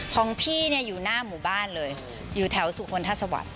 ของพี่อยู่หน้าหมู่บ้านเลยอยู่แถวสู่คนทสวัสดิ์